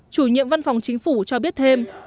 chủ nhiệm văn phòng chính phủ cho biết thêm